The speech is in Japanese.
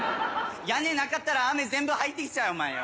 屋根なかったら雨全部入ってきちゃうよお前よ。